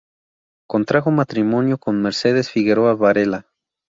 Contrajo matrimonio con Mercedes Figueroa Varela.